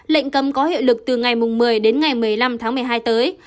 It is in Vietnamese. lệnh cấm có hiệu lực từ ngày một mươi đến ngày một mươi năm tháng một mươi hai tới